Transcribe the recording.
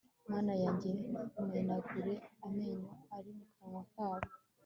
mana yanjye, menagura amenyo ari mu kanwa kabo